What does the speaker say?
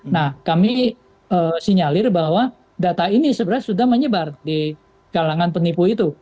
nah kami sinyalir bahwa data ini sebenarnya sudah menyebar di kalangan penipu itu